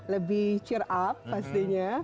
lebih cheer up pastinya